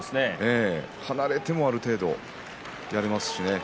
離れても、ある程度やれますしね。